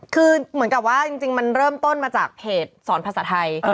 คือเหมือนกับว่าจริงมันเริ่มต้นมาจากเพจสอนภาษาไทย